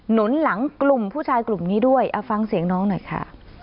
หนุนหลังกลุ่มผู้ชายกลุ่มนี้ด้วยเอาฟังเสียงน้องหน่อยค่ะ